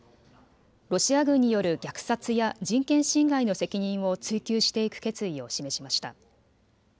ロシア軍による虐殺や人権侵害の責任を追及していく決意を示しました。